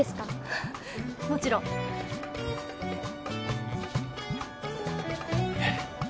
あっもちろん。えっ？